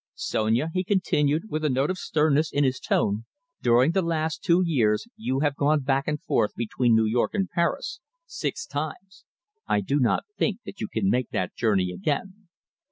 "Sonia," he continued, with a note of sternness in his tone, "during the last two years you have gone back and forth between New York and Paris, six times. I do not think that you can make that journey again."